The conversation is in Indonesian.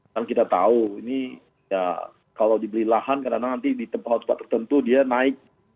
kan kita tahu ini ya kalau dibeli lahan kadang kadang nanti di tempat tempat tertentu dia naik